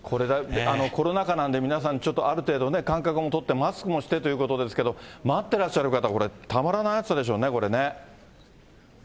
コロナ禍なんで皆さん、ちょっとある程度間隔を取ってマスクもしてということですが、待ってらっしゃる方、これ、たまらないそうなんです。